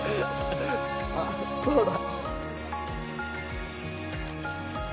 あっそうだ。